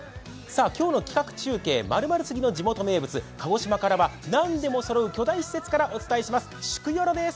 今日の企画中継、○○すぎる地元名物、鹿児島からは何でもそろう巨大施設からお伝えします。